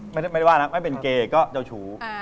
ไม่ว่าไม่เป็นเกยก็เจ้าชู้